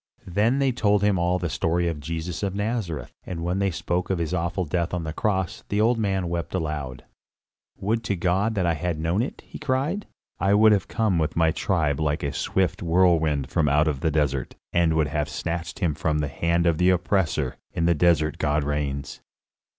Then they told him all the story of Jesus of Nazareth; and when they spoke of his awful death on the cross, the old man wept aloud. "Would to God that I had known it!" he cried; "I would have come with my tribe like a swift whirlwind from out the desert, and would have snatched him from the hand of the oppressor. In the desert God reigns."